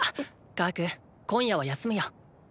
カハク今夜は休むよ。